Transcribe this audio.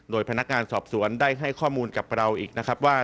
โดยพนักงานสอบสวนได้ให้ข้อมูลกับเราอีกนะครับว่า